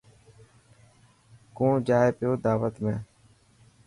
ڪوڻ جائي پيو داوت ۾.